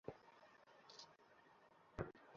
হ্যাঁ, অনেক কাছে।